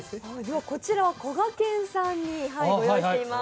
こちらこがけんさんにご用意しています。